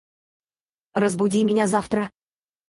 Разбуди меня завтра